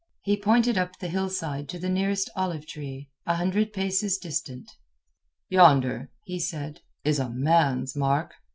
He pointed up the hillside to the nearest olive tree, a hundred paces distant. "Yonder," he said, "is a man's mark.